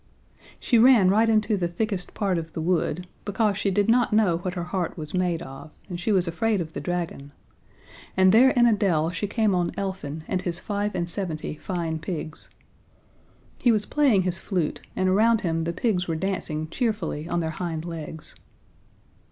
She ran right into the thickest part of the wood, because she did not know what her heart was made of, and she was afraid of the dragon, and there in a dell she came on Elfin and his five and seventy fine pigs. He was playing his flute, and around him the pigs were dancing cheerfully on their hind legs.